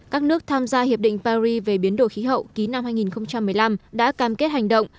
các nước tham gia hiệp định paris về biến đổi khí hậu ký năm hai nghìn một mươi năm đã cam kết hành động